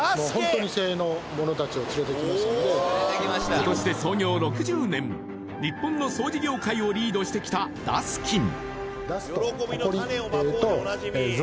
今年で創業６０年日本の掃除業界をリードしてきたダスキン。